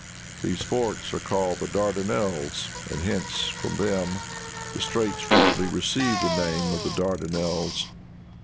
These forts are called the Dardanelles, and hence, from them, the straits frequently receive the name of the Dardanelles.